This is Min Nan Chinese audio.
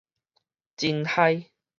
真咍